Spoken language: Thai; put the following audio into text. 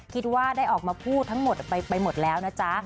คิดว่าได้ออกมาพูดทั้งหมดไปหมดแล้วนะจ๊ะ